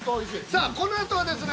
◆さあ、このあとはですね